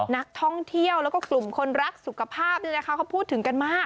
นักท่องเที่ยวแล้วกลุ่มคนรักสุขภาพเนี่ยนะคะก็พูดถึงกันมาก